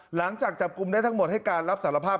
หลังจากจับกลุ่มได้ทั้งหมดให้การรับสารภาพ